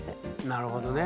なるほどね。